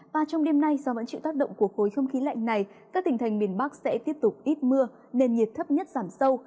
và trong đêm nay do vẫn chịu tác động của khối không khí lạnh này các tỉnh thành miền bắc sẽ tiếp tục ít mưa nền nhiệt thấp nhất giảm sâu